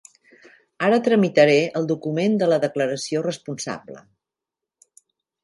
Ara tramitaré el document de la declaració responsable.